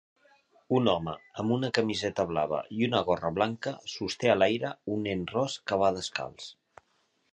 Un home amb una camiseta blava i una gorra blanca sosté a l'aire un nen ros que va descalç.